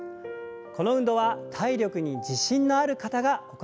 この運動は体力に自信のある方が行ってください。